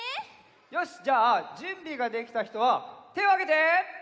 よしじゃあじゅんびができたひとはてをあげて！